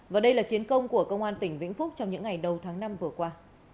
và đây là chiến công của công an tỉnh vĩnh phúc trong những ngày đầu tháng năm vừa qua